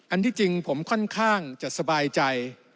ที่จริงผมค่อนข้างจะสบายใจ